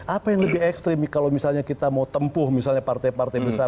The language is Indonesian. apa yang lebih ekstrim kalau misalnya kita mau tempuh misalnya partai partai besar